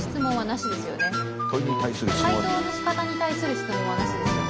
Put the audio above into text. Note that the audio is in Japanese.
解答のしかたに対する質問はなしですよね？